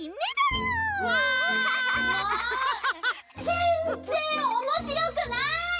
ぜんぜんおもしろくない！